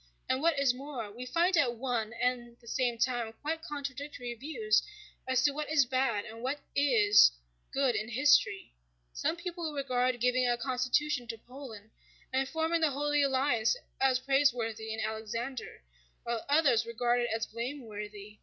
And what is more, we find at one and the same time quite contradictory views as to what is bad and what is good in history: some people regard giving a constitution to Poland and forming the Holy Alliance as praiseworthy in Alexander, while others regard it as blameworthy.